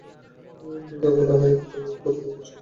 Nicaragua এপর্যন্ত একবারও FIFA বিশ্বকাপে অংশগ্রহণ করতে পারেনি।